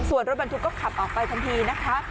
ส่วนรถบรรทุกก็ขับออกไปทันทีนะคะ